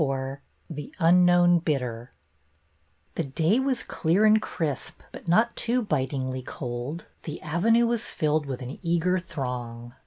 XXIV THE UNKNOWN BIDDER T he day was clear and crisp but not too bitingly cold. The Avenue was filled with an eager throng.